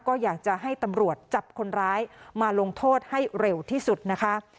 ก็อยากจะให้ตำรวจจับคนร้ายมาลงโทษให้เร็วที่สุดนะคะ